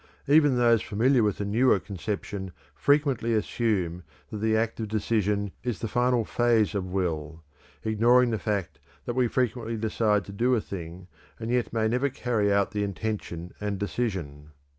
Even those familiar with the newer conception frequently assume that the act of decision is the final phase of will, ignoring the fact that we frequently decide to do a thing and yet may never carry out the intention and decision.